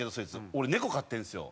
俺猫飼ってるんですよ。